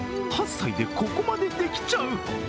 ８歳でここまでできちゃう。